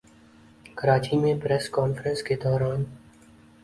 کراچی میں press conference کے دوران